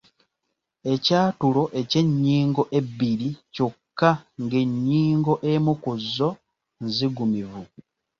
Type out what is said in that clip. Ekyatulo eky’ennyingo ebbiri kyokka ng’ennyingo emu ku zo nzigumivu.